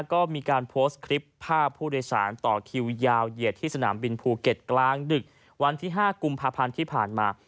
ก็มีการโพสต์คลิปภาพผู้โดยสารต่อคิวยาวเหยียดที่สนามบินภูเก็ตกลางดึกวันที่๕กุมภาพันธ์ที่ผ่านมา